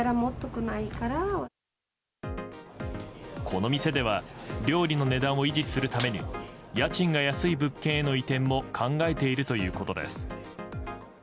この店では料理の値段を維持するために家賃が安い物件への移転も考えているということです。